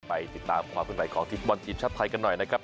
ไปติดตามความคุณใหม่ของทิศมนต์ทีมชาติไทยกันหน่อยนะครับ